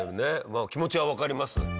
まあ気持ちはわかります。